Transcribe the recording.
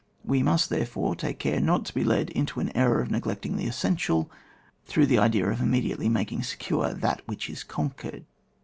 We must therefore take care not to be led into the eiror of neglecting the essential, through the idea of immediately making secure that which is conquered.